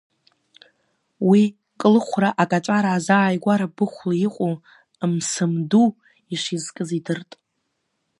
Уи Клыхәра акаҵәара азааигәара Быхәла иҟоу Мсым Ду ишизкыз идырт.